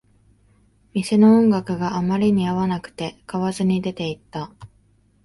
店の音楽があまりに合わなくて、買わずに出ていった